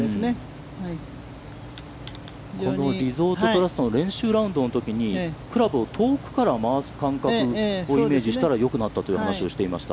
リゾートトラストの練習ラウンドのときにクラブを遠くから回す感覚をイメージしたらよくなったという話をしていました。